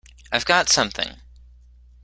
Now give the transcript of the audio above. I've got something!